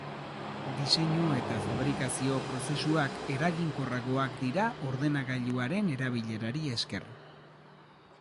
Diseinu eta fabrikazio prozesuak eraginkorragoak dira ordenagailuaren erabilerari esker.